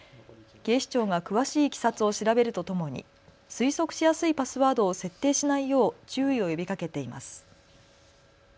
警視庁が詳しいいきさつを調べるとともに推測しやすいパスワードを設定しないよう注意を呼びかけています。